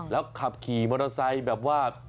แล้วขับขี่มอเตอร์ไซค์แบบว่า